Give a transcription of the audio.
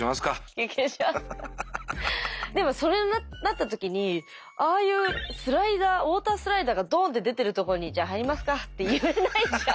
でもそれになった時にああいうスライダーウォータースライダーがどんって出てるとこに「じゃあ入りますか」って言えないじゃん。